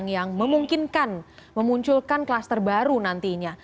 yang memungkinkan memunculkan kluster baru nantinya